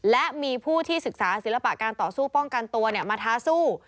และมีผู้ที่ศึกษาศิลปะการต่อสู้ป้องกันตัวมาท้าสู้